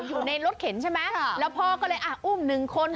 อยู่ในรถเข็นใช่ไหมแล้วพ่อก็เลยอ่ะอุ้มหนึ่งคน